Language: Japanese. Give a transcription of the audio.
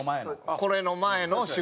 これの前の仕事で。